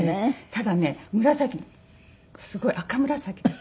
ただね紫すごい赤紫ですか。